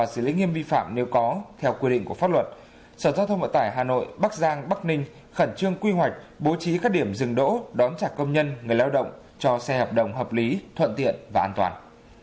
sở giao thông bộ tải hà nội bắc giang bắc ninh khẩn trương quy hoạch bố trí các điểm rừng đỗ đón trả công nhân người lao động cho xe hợp đồng hợp lý thuận tiện và an toàn